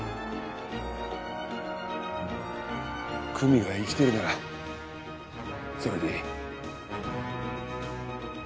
久実が生きてるならそれでいい。